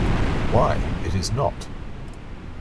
Why, it is not!